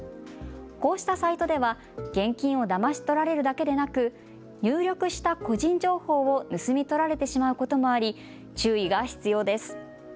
こうしたサイトでは現金をだまし取られるだけでなく入力した個人情報を盗み取られてしまうこともあり注意が必要です。